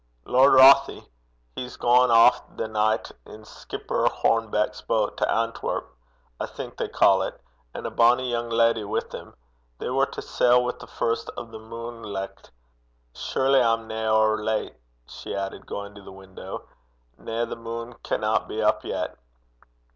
'Lord Rothie. He's gaein' aff the nicht in Skipper Hornbeck's boat to Antwerp, I think they ca' 't, an' a bonnie young leddy wi' 'im. They war to sail wi' the first o' the munelicht. Surely I'm nae ower late,' she added, going to the window. 'Na, the mune canna be up yet.'